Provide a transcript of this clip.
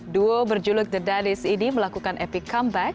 duo berjuluk the daddies ini melakukan epic comeback